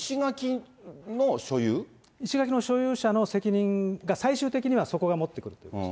石垣の所有者の責任が最終的にはそこがもってくるということです。